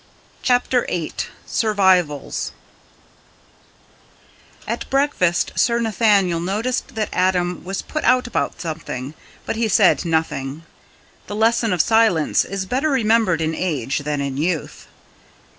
CHAPTER VIII SURVIVALS At breakfast Sir Nathaniel noticed that Adam was put out about something, but he said nothing. The lesson of silence is better remembered in age than in youth.